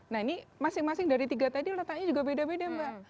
nah ini masing masing dari tiga tadi letaknya juga beda beda mbak